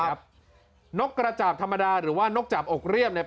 นกกระจาบธรรมดาหรือว่านกจับอกเรียบเนี่ย